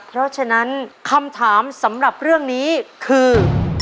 เพราะฉะนั้นคำถามสำหรับเรื่องนี้คือ